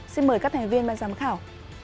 xin mời các thành viên văn giám khảo